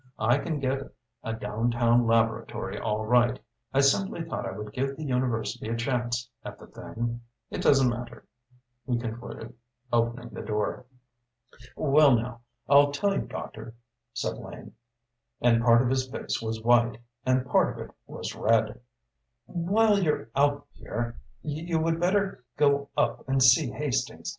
I can get a down town laboratory all right. I simply thought I would give the university a chance at the thing. It doesn't matter," he concluded, opening the door. "Well now, I'll tell you, doctor," said Lane, and part of his face was white, and part of it was red, "while you're out here, you would better go up and see Hastings.